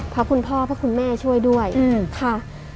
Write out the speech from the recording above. พระคุณพ่อพระคุณแม่ช่วยด้วยค่ะ